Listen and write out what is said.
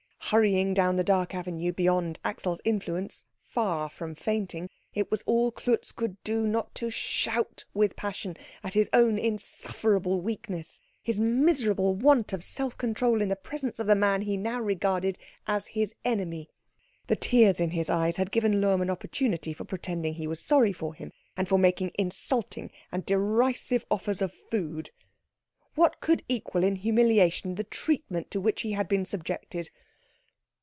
Hurrying down the dark avenue, beyond Axel's influence, far from fainting, it was all Klutz could do not to shout with passion at his own insufferable weakness, his miserable want of self control in the presence of the man he now regarded as his enemy. The tears in his eyes had given Lohm an opportunity for pretending he was sorry for him, and for making insulting and derisive offers of food. What could equal in humiliation the treatment to which he had been subjected?